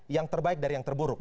yang terbaik dari yang terburuk